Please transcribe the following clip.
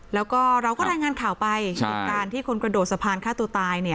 แล้วก็เราก็รายงานข่าวไปใช่ตอนที่คนกระโดดสะพานฆ่าตัวตายเนี่ย